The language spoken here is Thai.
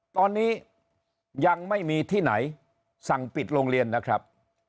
ตอนนี้ยังไม่มีที่ไหนสั่งปิดโรงเรียนนะครับ